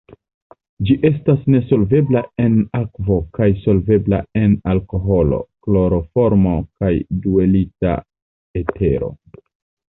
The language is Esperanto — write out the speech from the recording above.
Ĝi estas nesolvebla en akvo kaj solvebla en alkoholo, kloroformo kaj duetila etero.